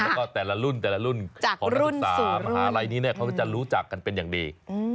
แล้วก็แต่ละรุ่นของทั้งสามหาลัยนี้เขาจะรู้จักกันเป็นอย่างดี